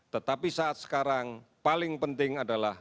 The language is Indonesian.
tetapi saat sekarang paling penting adalah